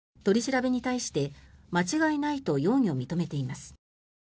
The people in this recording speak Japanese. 取り調べに対して、間違いないと容疑を認めています。